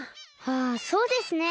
ああそうですね。